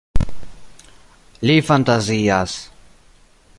Li fantazias.